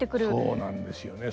そうなんですよね。